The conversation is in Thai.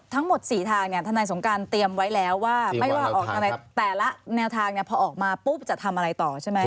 ทั้งหมด๔ทางเนี่ยทนายสงการเตรียมไว้แล้วว่าไม่ว่าออกอะไรแต่ละแนวทางพอออกมาปุ๊บจะทำอะไรต่อใช่ไหม